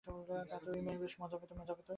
তাতে ঐ মেয়ের বেশ মজা পেত।